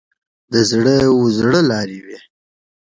د زړه و زړه لار وي.